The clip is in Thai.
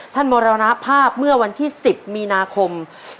ท่านมรณภาพเมื่อวันที่๑๐มีนาคม๒๕๓๒